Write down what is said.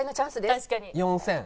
確かに。